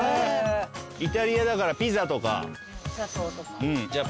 イタリアだからピザとか。